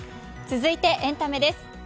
続いて、エンタメです。